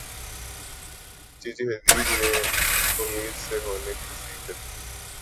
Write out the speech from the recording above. جی جی Hadid نے امید سے ہونے کی تصدیق کردی